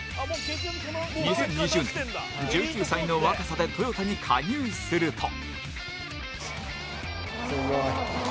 ２０２０年、１９歳の若さでトヨタに加入すると。